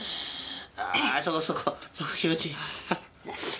ああそこそこ気持ちいい。